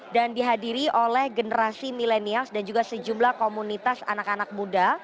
dan dihadiri oleh generasi milenial dan juga sejumlah komunitas anak anak muda